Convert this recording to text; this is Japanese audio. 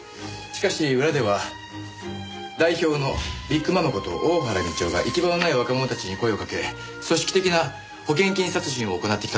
しかし裏では代表のビッグママこと大原美千代が行き場のない若者たちに声をかけ組織的な保険金殺人を行ってきたと考えられます。